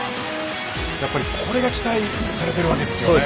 やっぱり、これが期待されているわけですよね